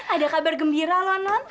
ada kabar gembira loh non